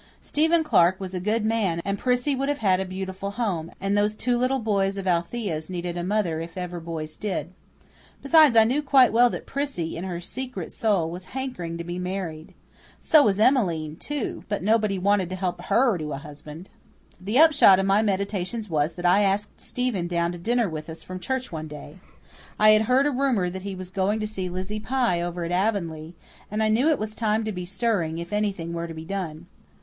Stephen Clark was a good man and Prissy would have a beautiful home; and those two little boys of Althea's needed a mother if ever boys did. Besides, I knew quite well that Prissy, in her secret soul, was hankering to be married. So was Emmeline, too but nobody wanted to help HER to a husband. The upshot of my meditations was that I asked Stephen down to dinner with us from church one day. I had heard a rumour that he was going to see Lizzie Pye over at Avonlea, and I knew it was time to be stirring, if anything were to be done.